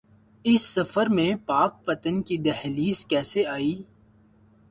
اس سفر میں پاک پتن کی دہلیز کیسے آئی؟